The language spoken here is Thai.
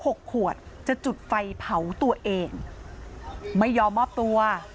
หกขวดจะจุดไฟเผาตัวเองไม่ยอมมอบตัว